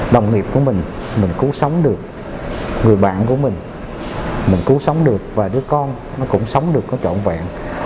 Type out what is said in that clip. đồng nghiệp của mình mình cứu sống được người bạn của mình mình cứu sống được và đứa con nó cũng sống được nó trọn vẹn